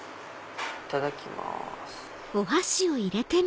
いただきます。